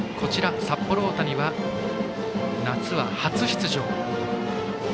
札幌大谷は、夏は初出場。